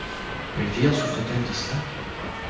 Elvire souffrait-elle de cela?